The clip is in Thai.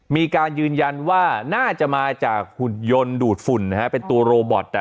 มีการยืนยันว่าน่าจะมาจากหุ่นยนต์ดูดฝุ่นเป็นตัวโรบอต